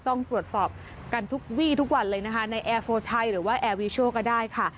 ต้องตรวจสอบกันทุกวี่ทุกวันเลยนะคะในแอร์โฟไทยหรือว่าแอร์วีโชว์ก็ได้ค่ะ